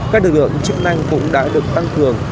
các lực lượng chức năng cũng đã được tăng cường